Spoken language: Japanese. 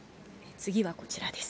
次はこちらです。